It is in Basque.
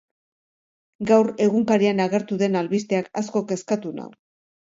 Gaur, egunkarian agertu den albisteak asko kezkatu nau.